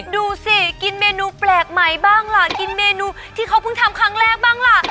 ดูสิกินเมนูแปลกใหม่บ้างล่ะกินเมนูที่เขาเพิ่งทำครั้งแรกบ้างล่ะ